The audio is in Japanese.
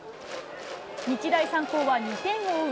日大三高は２点を追う